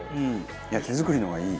いや手作りの方がいい。